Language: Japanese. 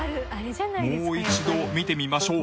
もう一度見てみましょう。